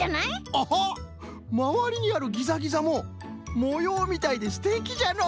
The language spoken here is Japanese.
アハまわりにあるギザギザももようみたいですてきじゃのう。